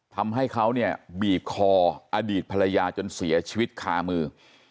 ทำให้เขาเนี่ยบีบคออดีตภรรยาจนเสียชีวิตคามือ